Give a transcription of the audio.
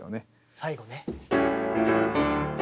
最後ね。